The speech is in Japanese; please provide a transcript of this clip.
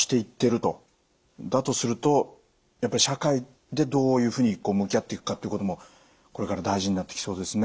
だとするとやっぱり社会でどういうふうに向き合っていくかということもこれから大事になってきそうですね。